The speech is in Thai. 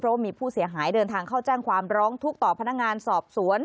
เพราะว่ามีผู้เสียหายเดินทางเข้าแจ้งความร้องทุกข์ต่อพนักงานสอบสวน